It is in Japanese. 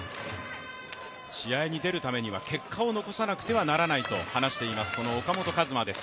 試合に出るためには結果を残さなくてはならないと話しています、この岡本和真です。